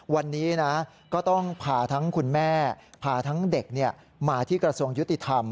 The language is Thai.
วันนี้นะก็ต้องพาทั้งคุณแม่พาทั้งเด็กมาที่กระทรวงยุติธรรม